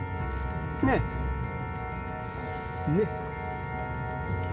ねえ？ねえ？